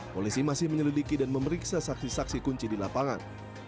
polisi masih menyelidiki dan memeriksa saksi saksi kunci di lapangan